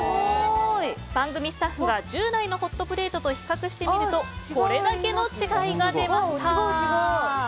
番組スタッフが従来のホットプレートと比較してみるとこれだけの違いが出ました。